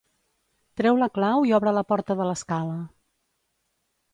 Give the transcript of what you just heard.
Treu la clau i obre la porta de l'escala.